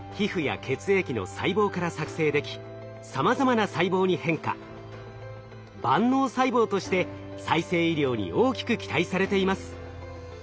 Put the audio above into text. ｉＰＳ細胞は万能細胞として再生医療に大きく期待されています。